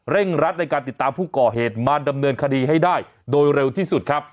รัดในการติดตามผู้ก่อเหตุมาดำเนินคดีให้ได้โดยเร็วที่สุดครับ